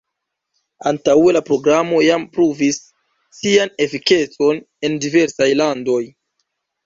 Antaŭe la Programo jam pruvis sian efikecon en diversaj landoj.